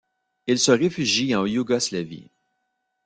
Il se réfugie en Yougoslavie.